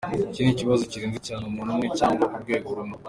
Iki ni ikibazo kirenze cyane umuntu umwe cyangwa urwego rumwe.